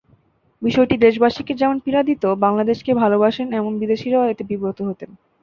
বিষয়টি দেশবাসীকে যেমন পীড়া দিত, বাংলাদেশকে ভালোবাসেন এমন বিদেশিরাও এতে বিব্রত হতেন।